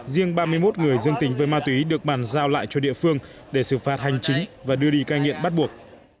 riêng ba mươi một người dương tính với ma túy được bàn giao lại cho địa phương để xử phạt hành chính và đưa đi cai nghiện bắt buộc